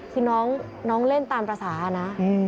คือน้องเล่นตามภาษานะ